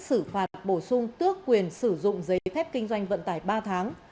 xử phạt bổ sung tước quyền sử dụng giấy phép kinh doanh vận tải ba tháng